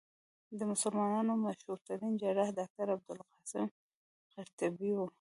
د مسلمانانو مشهورترين جراح ډاکټر ابوالقاسم قرطبي وو.